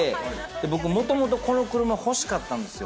僕もともとこの車欲しかったんすよ。